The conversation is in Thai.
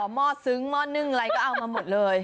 ห้อซึ้งหม้อนึ่งอะไรก็เอามาหมดเลย